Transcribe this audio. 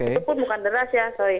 itu pun bukan deras ya sorry